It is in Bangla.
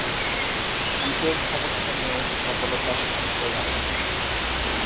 পিঠের সমস্যা নিয়েও সফলতার স্বাক্ষর রাখেন তিনি।